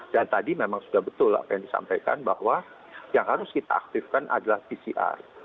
dan tadi memang sudah betul apa yang disampaikan bahwa yang harus kita aktifkan adalah pcr